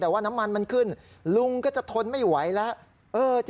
แต่ว่าน้ำมันมันขึ้นลุงก็จะทนไม่ไหวแล้ว